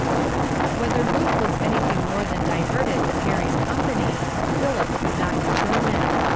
Whether Ruth was anything more than diverted with Harry's company, Philip could not determine.